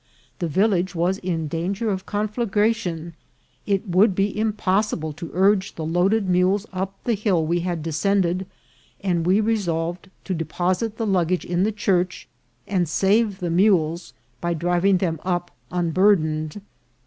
The village was in danger of conflagration ; it would be impossible to urge the loaded mules up the hill we had descended, and we resolved to deposite the luggage in the church, and save the mules by driving them up unburdened.